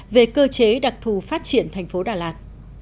về cơ chế đặc thù phát triển thành phố đà lạt